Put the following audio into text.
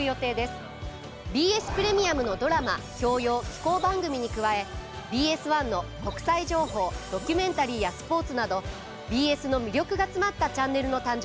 ＢＳプレミアムのドラマ教養紀行番組に加えＢＳ１の国際情報ドキュメンタリーやスポーツなどＢＳの魅力が詰まったチャンネルの誕生です。